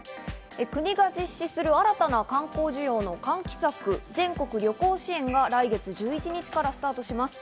国が実施する新たな観光需要の喚起策、全国旅行支援が来月１１日からスタートします。